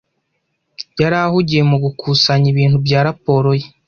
Yari ahugiye mu gukusanya ibintu bya raporo ye.